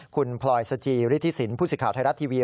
คุณพลอยซัจยิริฐิศิญภู์ศิขาวไทยรัตย์ทีวี